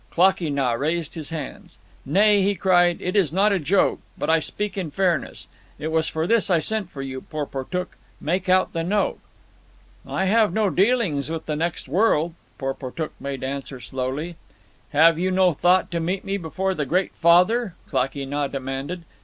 Klakee Nah raised his hands. "Nay," he cried. "It is not a joke. I but speak in fairness. It was for this I sent for you, Porportuk. Make out the note." "I have no dealings with the next world," Porportuk made answer slowly. "Have you no thought to meet me before the Great Father!" Klakee Nah demanded.